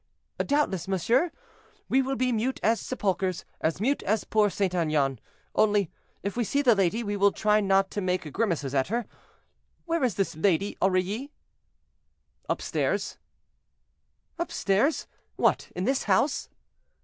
'" "Doubtless, monsieur; we will be mute as sepulchers—as mute as poor St. Aignan; only, if we see the lady, we will try not to make grimaces at her. Where is this lady, Aurilly?"—"Upstairs." "Upstairs! what, in this house?"